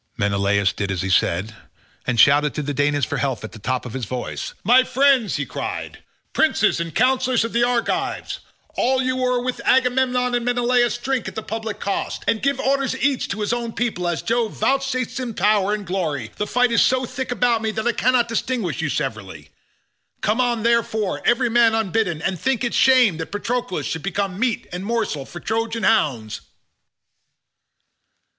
Menelaus did as he said, and shouted to the Danaans for help at the top of his voice. "My friends," he cried, "princes and counsellors of the Argives, all you who with Agamemnon and Menelaus drink at the public cost, and give orders each to his own people as Jove vouchsafes him power and glory, the fight is so thick about me that I cannot distinguish you severally; come on, therefore, every man unbidden, and think it shame that Patroclus should become meat and morsel for Trojan hounds."